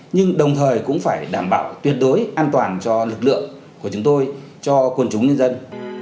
nhưng đồng thời cũng phải đảm bảo tuyệt đối an toàn cho lực lượng của chúng tôi cho quân chúng nhân dân